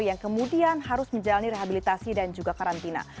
yang kemudian harus menjalani rehabilitasi dan juga karantina